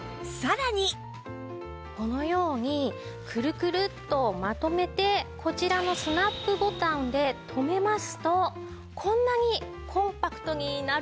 このようにくるくるっとまとめてこちらのスナップボタンで留めますとこんなにコンパクトになるんです。